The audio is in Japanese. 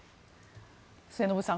末延さん